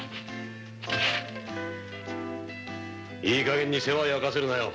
いい加減に世話焼かせるなよ。